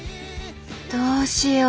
どうしよう。